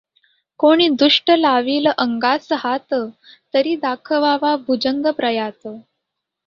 कुणी दुष्ट लावील अंगास हात, तरी दाखवावा भुजंगप्रयात.